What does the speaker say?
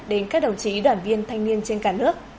đến các đồng chí đoàn viên thanh niên trên cả nước